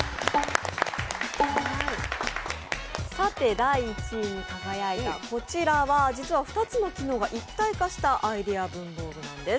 第１位に輝いたこちらは実は２つの機能が一体化したアイデア文房具なんです。